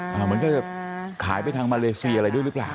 เหมือนก็จะขายไปทางมาเลเซียอะไรด้วยหรือเปล่า